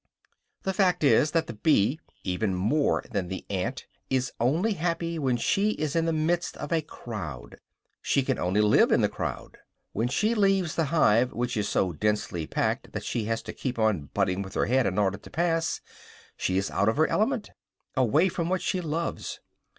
The fact is that the bee, even more than the ant, is only happy when she is in the midst of a crowd; she can only live in the crowd. When she leaves the hive, which is so densely packed that she has to keep on butting with her head in order to pass, she is out of her element, away from what she loves.